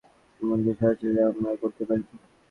এমন কিছু কি আছে যা আমরা করতে পারি না?